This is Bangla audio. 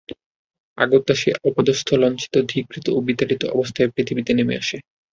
অগত্যা সে অপদস্থ লাঞ্ছিত ধিকৃত ও বিতাড়িত অবস্থায় পৃথিবীতে নেমে আসে।